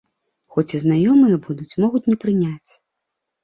Хоць і знаёмыя будуць, могуць не прыняць.